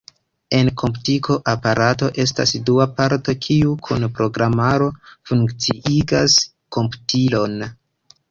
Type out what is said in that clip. En komputiko aparato estas dua parto, kiu kun programaro funkciigas komputilon.